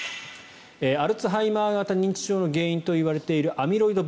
アルツハイマー型認知症の原因と言われているアミロイドβ。